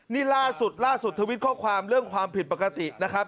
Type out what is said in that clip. นี่ล่าสุดล่าสุดทวิตข้อความเรื่องความผิดปกตินะครับ